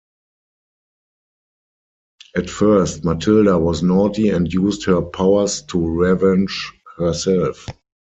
At first, Matilda was naughty and used her powers to revenge herself.